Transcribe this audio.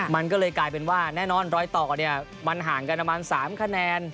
มันก็เลยกลายเป็นว่าแน่นอนรอยต่อเนี่ยมันห่างกันประมาณ๓คะแนน